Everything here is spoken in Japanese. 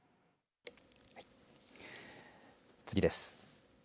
次です。